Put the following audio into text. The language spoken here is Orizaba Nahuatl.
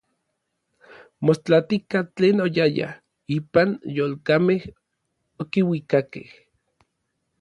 Mostlatika tlen oyayaj ipan yolkamej okiuikakej.